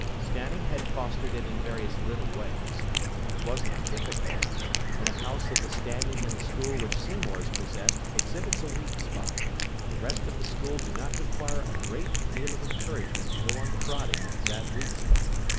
Stanning had fostered it in various little ways. It was not difficult. When a house of the standing in the school which Seymour's possessed exhibits a weak spot, the rest of the school do not require a great deal of encouragement to go on prodding that weak spot.